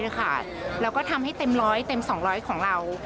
แล้วก็ทำให้เต็มร้อยเต็ม๒๐๐ของเรา